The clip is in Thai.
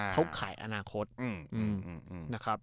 เขาขายอนาคตนะครับ